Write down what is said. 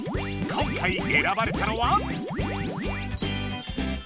今回えらばれたのは？